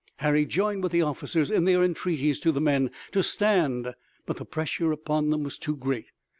Harry joined with the officers in their entreaties to the men to stand, but the pressure upon them was too great.